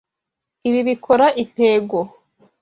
Ibi bikora intego.